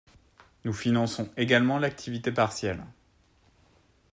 Nous finançons également l’activité partielle.